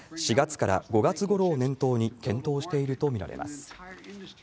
４月から５月ごろを念頭に検討していると見られます。